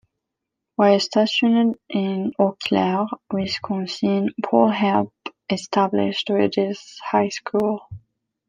While stationed in Eau Claire, Wisconsin, Paul help established Regis High School.